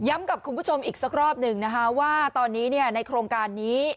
กับคุณผู้ชมอีกสักรอบหนึ่งนะคะว่าตอนนี้ในโครงการนี้